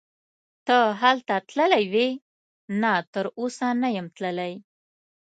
ته هلته تللی وې؟ نه تراوسه نه یم تللی.